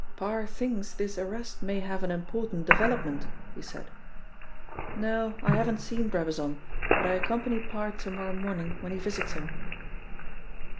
"Parr thinks this arrest may have an important development," he said. "No, I haven't seen Brabazon, but I accompany Parr to morrow morning when he visits him."